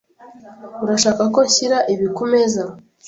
Urashaka ko nshyira ibi kumeza?